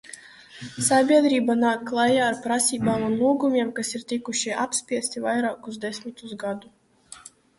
Sabiedrība nāk klajā ar prasībām un lūgumiem, kas ir tikuši apspiesti vairākus desmitus gadu.